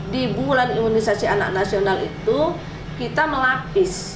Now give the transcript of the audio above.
di bulan imunisasi anak nasional itu kita melapis